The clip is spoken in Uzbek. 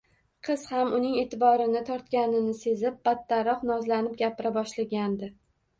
Qiz ham uning e`tiborini tortganini sezib, battarroq nozlanib gapira boshlagandi